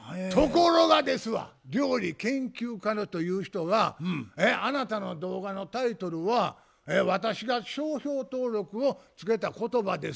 ところがですわ料理研究家だという人が「あなたの動画のタイトルは私が商標登録をつけた言葉です」と。